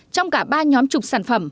trong cả ba nhóm trục sản phẩm